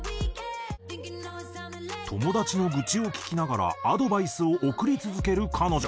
友達の愚痴を聞きながらアドバイスを送り続ける彼女。